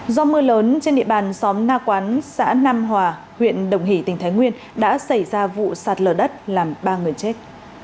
do mưa lớn trên địa bàn xóm na quán xã nam hòa huyện đồng hỷ tỉnh thái nguyên đã xảy ra vụ sạt lở đất làm ba người chết